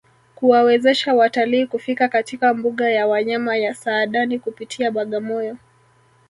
Kuwawezesha watalii kufika katika mbuga ya wanyama ya Saadani kupitia Bagamoyo